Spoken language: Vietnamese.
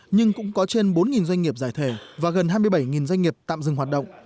nhưng cũng có trên bốn doanh nghiệp giải thể và gần hai mươi bảy doanh nghiệp tạm dừng hoạt động